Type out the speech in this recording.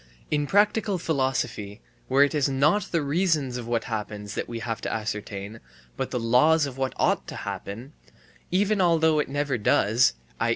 In a practical philosophy, where it is not the reasons of what happens that we have to ascertain, but the laws of what ought to happen, even although it never does, i.